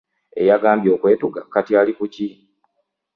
Eyagambye okwetuga kati ali ku ki?